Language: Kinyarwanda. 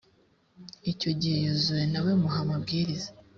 icyo gihe yozuwe na we muha mabwiriza